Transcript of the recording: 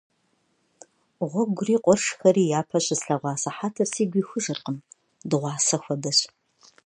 Гъуэгури къуршхэри япэ щыслъэгъуа сыхьэтыр сигу ихужыркъым – дыгъуасэ хуэдэщ.